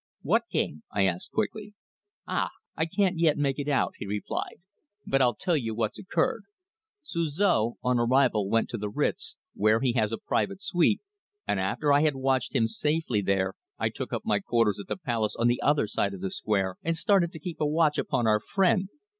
"What game?" I asked quickly. "Ah! I can't yet make it out," he replied. "But I'll tell you what's occurred. Suzor, on arrival, went to the Ritz, where he has a private suite, and after I had watched him safely there I took up my quarters at the Palace on the other side of the Square, and started to keep a watch upon our friend.